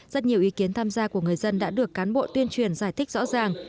rất nhiều ý kiến tham gia của người dân đã được cán bộ tuyên truyền giải thích rõ ràng